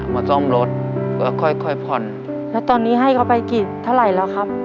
มาซ่อมรถแล้วค่อยค่อยผ่อนแล้วตอนนี้ให้เขาไปกี่เท่าไหร่แล้วครับ